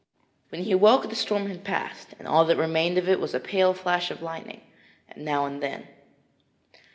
When he awoke the storm had passed, and all that remained of it was a pale flash of lightning now and then.